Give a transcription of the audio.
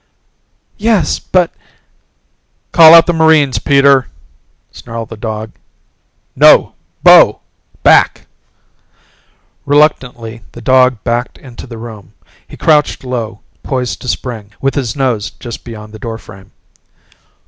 "Yes, but " "Call out the marines, Peter," snarled the dog. "No! Bo! Back!" Reluctantly the dog backed into the room. He crouched low, poised to spring, with his nose just beyond the doorframe.